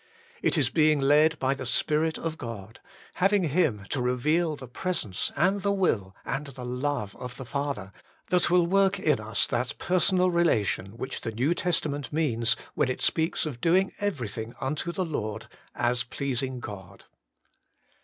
It is being led by the Spirit of God, having Him to reveal the Presence, and the Will, and the Love of the Father, that will work in us that personal relation which the New Testament means when it 70 HOLY IN CHRIST. speaks of doing everything unto the Lord, as pleasing God.